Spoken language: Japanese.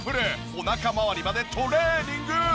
おなかまわりまでトレーニング。